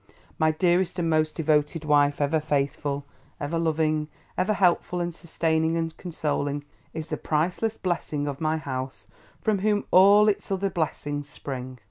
My dearest and most devoted wife, ever faithful, ever loving, ever helpful and sustaining and consoling, is the priceless blessing of my house; from whom all its other blessings spring.